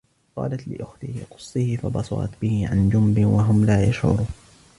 وقالت لأخته قصيه فبصرت به عن جنب وهم لا يشعرون